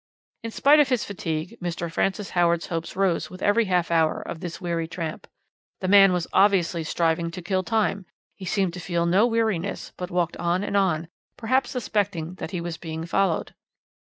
"In spite of his fatigue, Mr. Francis Howard's hopes rose with every half hour of this weary tramp. The man was obviously striving to kill time; he seemed to feel no weariness, but walked on and on, perhaps suspecting that he was being followed.